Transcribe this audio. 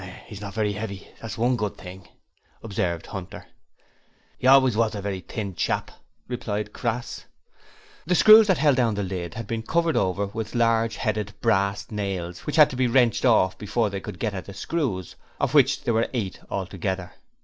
''E's not very 'eavy; that's one good thing,' observed Hunter. ''E always was a very thin chap,' replied Crass. The screws that held down the lid had been covered over with large headed brass nails which had to be wrenched off before they could get at the screws, of which there were eight altogether.